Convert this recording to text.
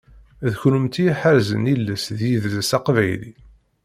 D kunemti i iḥerzen iles d yidles aqbayli.